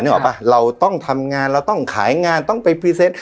ออกป่ะเราต้องทำงานเราต้องขายงานต้องไปพรีเซนต์